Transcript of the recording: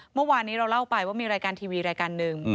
เมื่อวานนี้เราเล่าไปว่ามีรายการทีวีรายการหนึ่ง